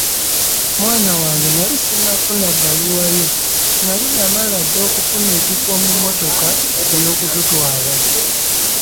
Mwana wange, nali sinnafuna bbaluwa yo, nnali nnamala dda okufuna ekifo mu motoka ey'okututwala.